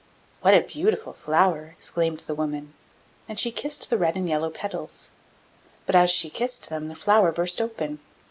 'What a beautiful flower!' exclaimed the woman, and she kissed the red and yellow petals; but as she kissed them the flower burst open.